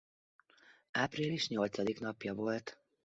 Április nyolcadik napja volt.